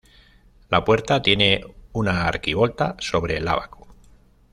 La puerta tiene una arquivolta sobre el ábaco.